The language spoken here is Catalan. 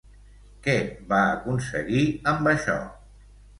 Què va aconseguir amb això?